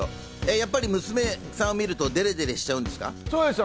やっぱり娘さんを見るとデレデレしちゃうんですか？